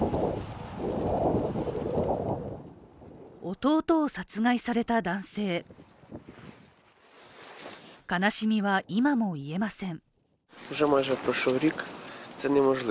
弟を殺害された男性、悲しみは今も癒えません。